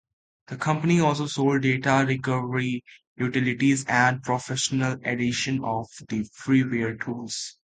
The company also sold data recovery utilities and professional editions of their freeware tools.